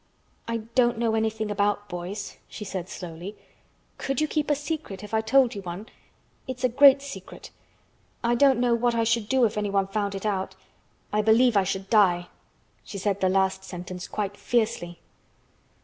"I don't know anything about boys," she said slowly. "Could you keep a secret, if I told you one? It's a great secret. I don't know what I should do if anyone found it out. I believe I should die!" She said the last sentence quite fiercely.